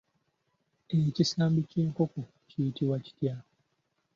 Ekisambi ky'enkoko kiyitibwa kitya?